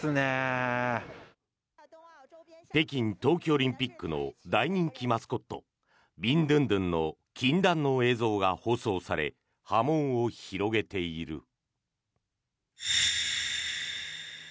北京冬季オリンピックの大人気マスコットビンドゥンドゥンの禁断の映像が放送され波紋を広げている。